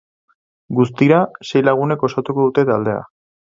Guztira, sei lagunek osatuko dute taldea.